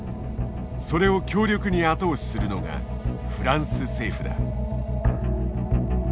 それを強力に後押しするのがフランス政府だ。